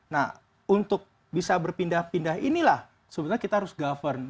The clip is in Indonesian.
nah untuk bisa berpindah pindah inilah sebenarnya kita harus govern